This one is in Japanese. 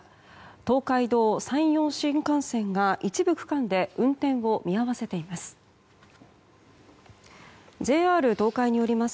東海道、山陽新幹線が一部区間で運転を見合わせています。